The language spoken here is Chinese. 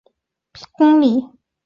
谢讷帕基耶的总面积为平方公里。